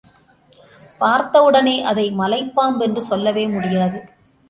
பார்த்தவுடன் அதை மலைப்பாம்பென்று சொல்லவே முடியாது.